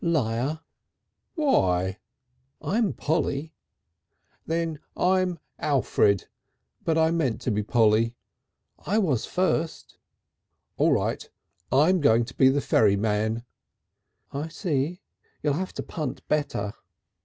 "Liar!" "Why?" "I'm Polly." "Then I'm Alfred. But I meant to be Polly." "I was first." "All right. I'm going to be the ferryman." "I see. You'll have to punt better."